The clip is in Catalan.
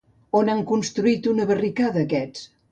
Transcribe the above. On han construït una barricada aquests?